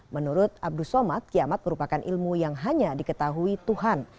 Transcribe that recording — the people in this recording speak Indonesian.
menurut abdus somad kiamat merupakan ilmu yang hanya diketahui tuhan